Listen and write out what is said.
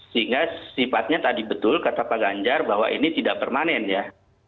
sehingga sifatnya tadi betul kata pak ganjar bahwa ini tidak permanen ya